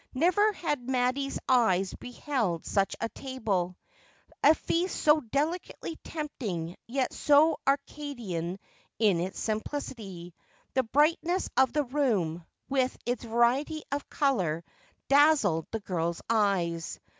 Never had Mattie's eyes beheld such a table — a feast so delicately tempting, yet so arcadian in its simplicity. The brightness of the room, with its variety of colour, dazzled the girl's eyes.